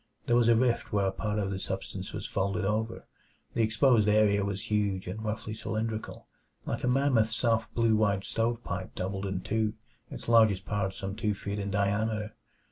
There was a rift where a part of the substance was folded over. The exposed area was huge and roughly cylindrical; like a mammoth soft blue white stovepipe doubled in two, its largest part some two feet in diameter.